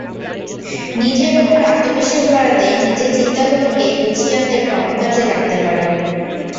নিজের ওপর আত্মবিশ্বাস বাড়াতে নিজের চিন্তাগুলোকে গুছিয়ে আনতে ভ্রমণ কাজে লাগতে পারে।